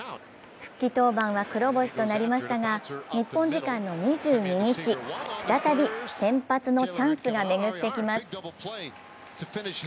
復帰登板は黒星となりましたが、日本時間の２２日、再び先発のチャンスが巡ってきます。